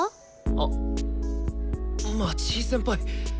あっ町井先輩。